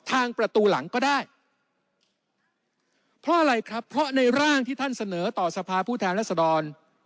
ทางประตูหลังก็ได้เพราะอะไรครับเพราะในร่างที่ท่านเสนอต่อสภาพผู้แทนรัศดร